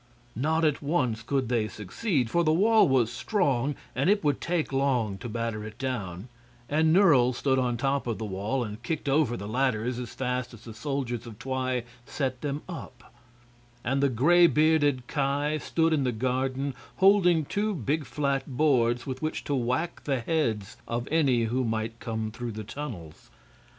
Not at once could they succeed, for the wall was strong and it would take long to batter it down; and Nerle stood on top of the wall and kicked over the ladders as fast as the soldiers of Twi set them up; and the gray bearded Ki stood in the garden holding two big flat boards with which to whack the heads of any who might come through the tunnels.